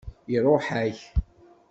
Iṛuḥ-ak.